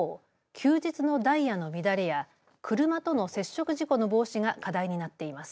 休日のダイヤの乱れや車との接触事故の防止が課題になっています。